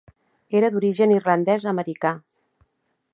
Era d'origen irlandès americà.